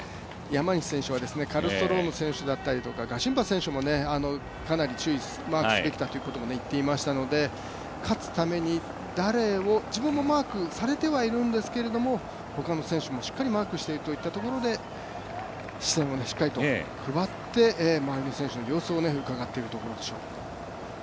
山西選手はカルストローム選手だったりとか、ガシンバ選手もかなりマークすべきだということを言っていましたので勝つために誰を、自分もマークされてはいるんですけど他の選手もしっかりマークをしていくといったところで視線をしっかりと配って、前の選手の様子をしっかりとうかがっているところでしょう。